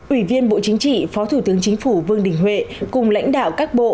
ủy viên bộ chính trị phó thủ tướng chính phủ vương đình huệ cùng lãnh đạo các bộ